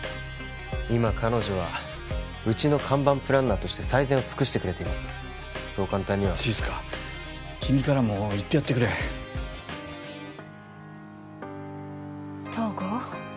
今彼女はうちの看板プランナーとして最善を尽くしてくれていますそう簡単には静君からも言ってやってくれ東郷